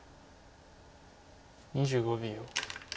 ２５秒。